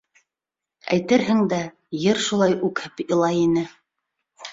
Әйтерһең дә, ер шулай үкһеп илай ине.